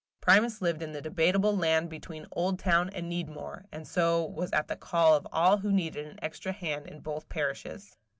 Primus lived in the debatable land between Oldtown and Needmore, and so was at the call of all who needed an extra hand in both parishes.